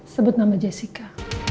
sebut nama jessica